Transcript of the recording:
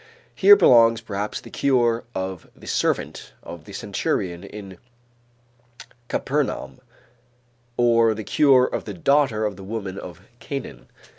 Here belongs perhaps the cure of the servant of the centurion in Capernaum or the cure of the daughter of the woman of Canaan.